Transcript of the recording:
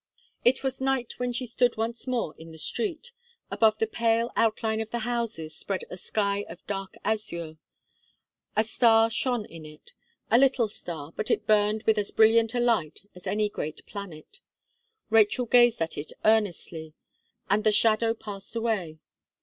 It was night when she stood once more in the street. Above the pale outline of the houses spread a sky of dark azure. A star shone in it, a little star; but it burned with as brilliant a light as any great planet. Rachel gazed at it earnestly, and the shadow passed away.